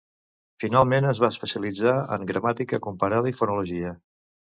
Finalment es va especialitzar en gramàtica comparada i fonologia.